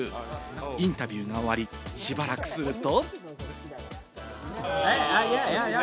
インタビューが終わりしばらくすると。